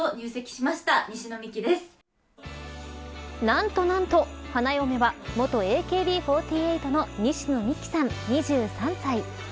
何と何と花嫁は元ＡＫＢ４８の西野未姫さん、２３歳。